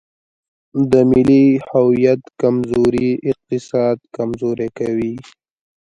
د ملي هویت کمزوري اقتصاد کمزوری کوي.